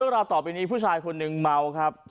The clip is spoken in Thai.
เมื่อเราต่อไปนี้ผู้ชายคนนึงเมาครับ